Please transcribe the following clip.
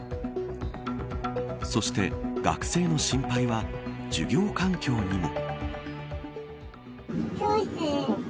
そして学生の心配授業環境にも。